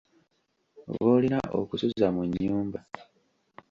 B’olina okusuza mu nnyumba.